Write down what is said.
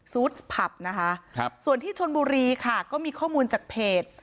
ซูสผับนะคะครับส่วนที่ชนบุรีค่ะก็มีข้อมูลจากเพจ